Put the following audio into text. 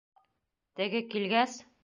Теге килгәс: